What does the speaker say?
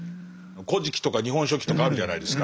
「古事記」とか「日本書紀」とかあるじゃないですか。